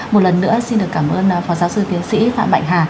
một lần nữa xin được cảm ơn phó giáo sư tiến sĩ phạm mạnh hà